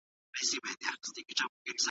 لکه پښتون، تاجک، او ازبک لپاره کارول سوی دی.